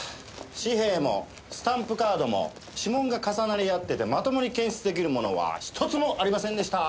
紙幣もスタンプカードも指紋が重なり合っててまともに検出出来るものは一つもありませんでした。